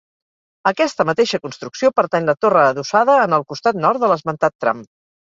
A aquesta mateixa construcció pertany la torre adossada en el costat nord de l'esmentat tram.